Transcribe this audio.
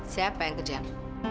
siapa yang kejem